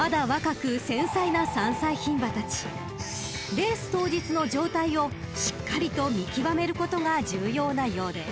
［レース当日の状態をしっかりと見極めることが重要なようです］